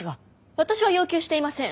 私は要求していません。